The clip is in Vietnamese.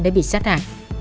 đã bị sát hạ